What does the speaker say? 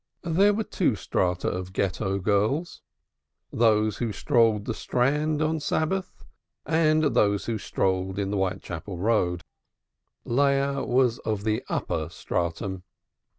There were two strata of Ghetto girls, those who strolled in the Strand on Sabbath, and those who strolled in the Whitechapel Road. Leah was of the upper stratum.